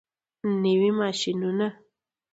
نوي ماشینونه.